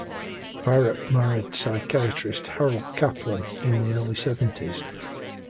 Barrett married psychiatrist Harold Kaplan in the early seventies.